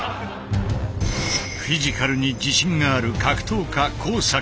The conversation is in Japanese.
フィジカルに自信がある格闘家阪。